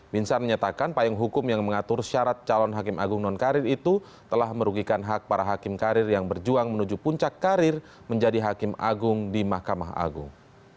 binsar menyatakan payung hukum yang mengatur syarat calon hakim agung nonkarir itu telah merugikan hak para hakim karir yang berjuang menuju puncak karir menjadi hakim agung di mahkamah agung